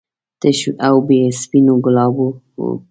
تش او بې سپینو ګلابو و.